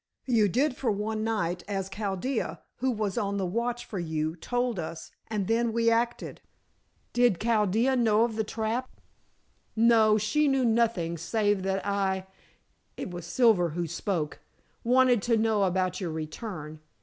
You did for one night, as Chaldea, who was on the watch for you, told us, and then we acted." "Did Chaldea know of the trap?" "No! She knew nothing save that I" it was Silver who spoke "wanted to know about your return.